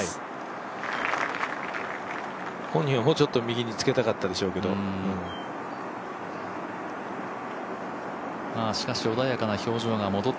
本人はもうちょっと右につけたかったでしょうけれども。